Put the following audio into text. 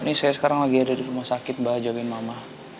ini saya sekarang lagi ada di rumah sakit mbak jomin mama